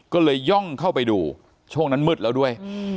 ก็เลยย่องเข้าไปดูช่วงนั้นมืดแล้วด้วย